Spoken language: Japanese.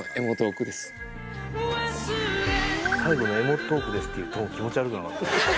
最後の「エモトークです」って言うトーン気持ち悪くなかった？